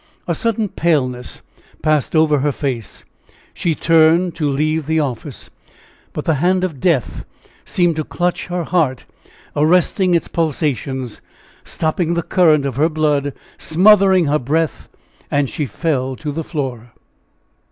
A sudden paleness passed over her face; she turned to leave the office, but the hand of death seemed to clutch her heart, arresting its pulsations, stopping the current of her blood, smothering her breath, and she fell to the floor.